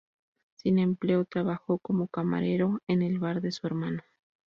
Sin empleo, trabajó como camarero en el bar de su hermano.